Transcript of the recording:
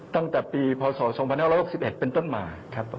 ตั้งแต่ปีพศ๒๕๖๑เป็นต้นมาครับ